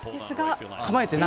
構えてない。